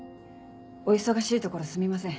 お忙しいところすみません。